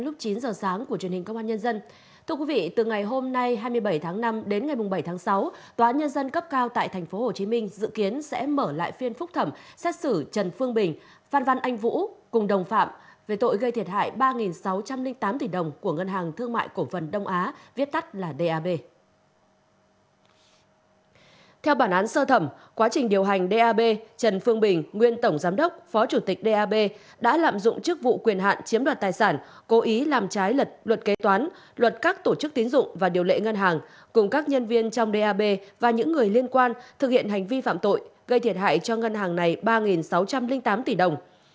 trong quá trình điều hành dap trần phương bình nguyên tổng giám đốc phó chủ tịch dap đã lạm dụng chức vụ quyền hạn chiếm đoạt tài sản cố ý làm trái luật kế toán luật các tổ chức tín dụng và điều lệ ngân hàng cùng các nhân viên trong dap và những người liên quan thực hiện hành vi phạm tội gây thiệt hại cho ngân hàng này ba sáu trăm linh tám tỷ đồng